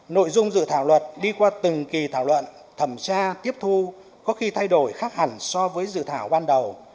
nội dung dự thảo luật đi qua từng kỳ thảo luận thẩm tra tiếp thu có khi thay đổi khác hẳn so với dự thảo ban đầu